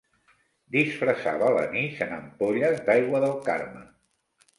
Disfressava l'anís en ampolles d'aigua del Carme.